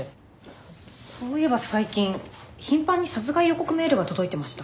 そういえば最近頻繁に殺害予告メールが届いてました。